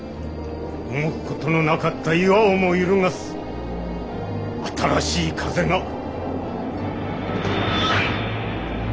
動く事のなかった岩をも揺るがす新しい風が。